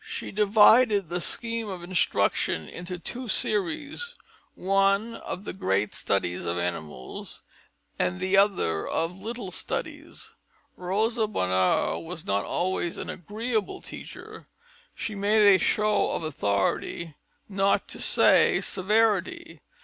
She divided the scheme of instruction into two series, one of the great studies of animals and the other of little studies. Rosa Bonheur was not always an agreeable teacher; she made a show of authority, not to say severity.